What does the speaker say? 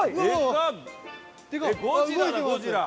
ゴジラだゴジラ！